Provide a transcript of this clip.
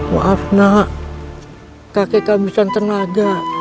maaf nak kakek kehabisan tenaga